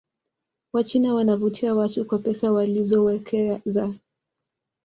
wachina wanavutia watu kwa pesa walizowekeza